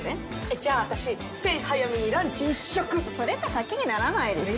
じゃあ私セン・ハヤミにランチ１食それじゃ賭けにならないでしょ